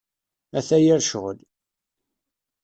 Ata yir ccɣel!